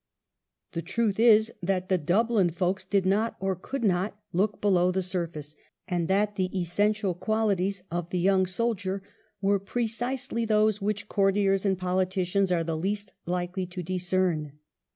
The truth is that the Dublin folks did nob, or could not, look below the surface, and that the essential qualities of the young soldier were precisely those which courtiers and politicians are the least likely to discern.